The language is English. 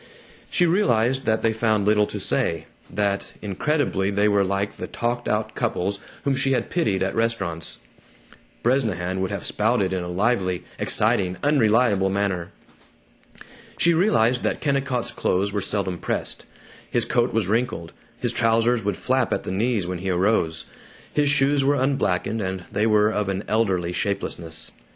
She realized that they found little to say; that, incredibly, they were like the talked out couples whom she had pitied at restaurants. Bresnahan would have spouted in a lively, exciting, unreliable manner. She realized that Kennicott's clothes were seldom pressed. His coat was wrinkled; his trousers would flap at the knees when he arose. His shoes were unblacked, and they were of an elderly shapelessness.